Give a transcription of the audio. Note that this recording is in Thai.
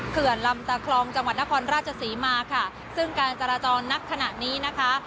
เขื่อนลำตาคลองจังหวัดนครราชศรีมาค่ะซึ่งการจราจรณขณะนี้นะคะ